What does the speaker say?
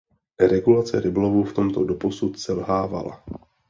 Regulace rybolovu v tomto doposud selhávala.